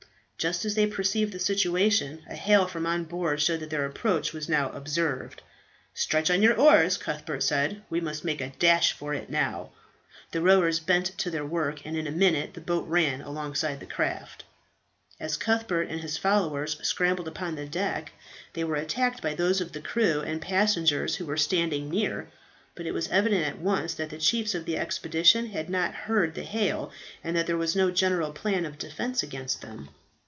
Just as they perceived the situation, a hail from on board showed that their approach was now observed. "Stretch to your oars," Cuthbert said, "we must make a dash for it now." The rowers bent to their work and in a minute the boat ran alongside the craft. As Cuthbert and his followers scrambled upon the deck, they were attacked by those of the crew and passengers who were standing near; but it was evident at once that the chiefs of the expedition had not heard the hail, and that there was no general plan of defence against them.